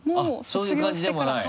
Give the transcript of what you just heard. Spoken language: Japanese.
そういう感じでもない？